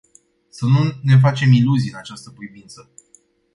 Să nu ne facem iluzii în această privință.